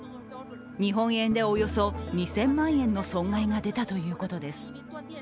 日本円でおよそ２０００万円の損害が出たということです。